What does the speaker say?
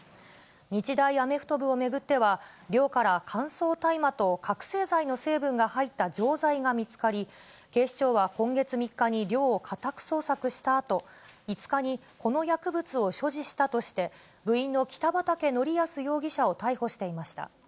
日大アメフト部を巡っては、寮から乾燥大麻と覚醒剤の成分が入った錠剤が見つかり、警視庁は今月３日に寮を家宅捜索したあと、５日にこの薬物を所持したとして、部員の北畠成文容疑者を逮捕していました。